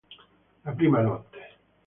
La prima notte